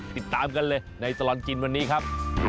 ติดตามกันเลยในตลอดกินวันนี้ครับ